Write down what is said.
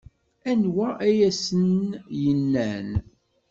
Anwa ay asen-yennan?